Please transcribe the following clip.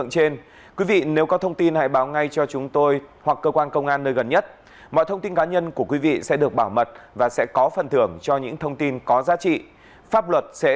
xin chào và hẹn gặp lại